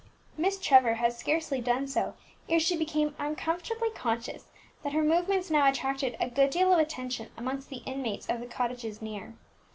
Miss Trevor had scarcely done so ere she became uncomfortably conscious that her movements now attracted a good deal of attention amongst the inmates of the cottages near.